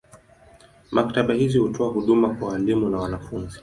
Maktaba hizi hutoa huduma kwa walimu na wanafunzi.